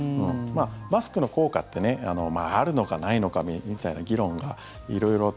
マスクの効果ってあるのかないのかみたいな議論が色々と。